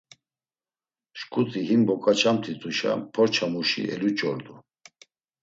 Şǩuti him voǩaçamt̆ituşa porçamuşi eluç̌ordu.